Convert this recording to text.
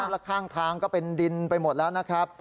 แล้วข้างทางก็เป็นดินไปหมดแล้วนะครับ